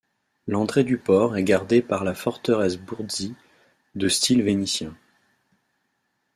L'entrée du port est gardée par la forteresse Bourdzi, de style vénitien.